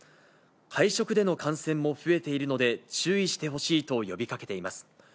会食での感染も増えているので、注意してほしいと呼びかけています。